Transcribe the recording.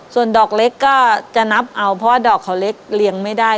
ส่วนดอกเล็กก็จะนับเอาเพราะว่าดอกเขาเล็กเรียงไม่ได้